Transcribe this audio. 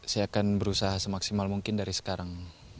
saya akan berusaha semaksimal mungkin dari sekarang